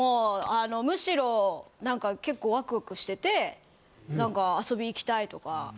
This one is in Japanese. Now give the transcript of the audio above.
むしろ何か結構ワクワクしてて遊びに行きたいとか。